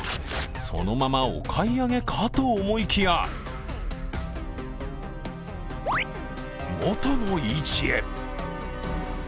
そのままお買い上げかと思いきや元の位置へ。